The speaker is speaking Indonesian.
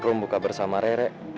rum buka barang bersama mbak rere